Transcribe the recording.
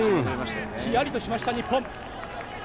ひやりとしました、日本。